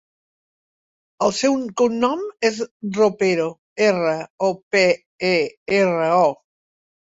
El seu cognom és Ropero: erra, o, pe, e, erra, o.